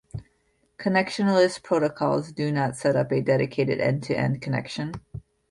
Connectionless protocols do not set up a dedicated end-to-end connection.